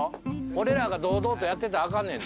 俺らが堂々とやってたらあかんねんで。